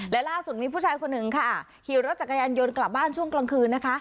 และล่าสุดมีผู้ชายคนหนึ่งค่ะขี่รถจักรยานยนต์กลับบ้านช่วงกลางคืนนะคะ